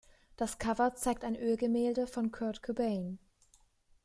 Das Cover zeigt ein Ölgemälde von Kurt Cobain.